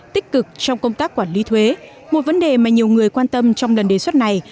tích cực trong công tác quản lý thuế một vấn đề mà nhiều người quan tâm trong lần đề xuất này